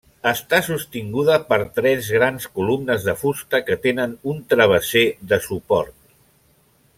Està sostinguda per tres grans columnes de fusta que tenen un travesser de suport.